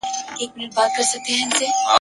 ورونه دي بند وي د مکتبونو ..